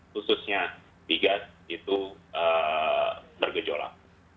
khususnya di gas itu bergejolak